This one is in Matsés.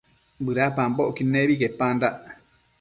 bëdapambocquid nebi quepandac